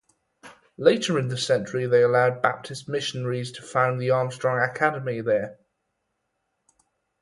Later in the century, they allowed Baptist missionaries to found the Armstrong Academy there.